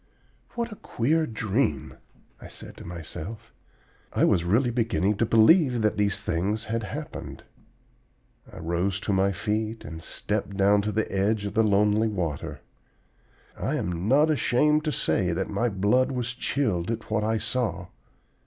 "What a queer dream," I said to myself. I was really beginning to believe that these things had happened. I rose to my feet and stepped down to the edge of the lonely water. I am not ashamed to say that my blood was chilled at what I saw.